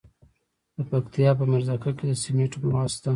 د پکتیا په میرزکه کې د سمنټو مواد شته.